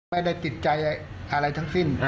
ไม่ได้ติดใจอะไรทั้งสิ้น